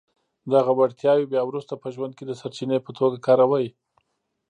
دغه وړتياوې بيا وروسته په ژوند کې د سرچینې په توګه کاروئ.